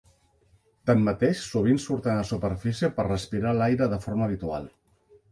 Tanmateix, sovint surten a la superfície per respirar l'aire de la forma habitual.